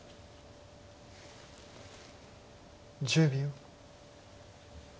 １０秒。